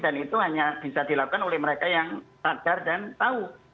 dan itu hanya bisa dilakukan oleh mereka yang sadar dan tahu